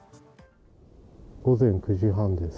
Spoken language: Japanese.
午前９時半です。